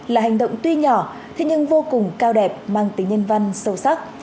là hành động tuy nhỏ thế nhưng vô cùng cao đẹp mang tính nhân văn sâu sắc